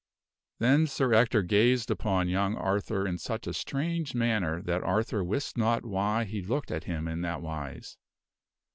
Then Sir Ector gazed upon young Arthur in such a strange manner that Arthur wist not why he looked at him in that wise.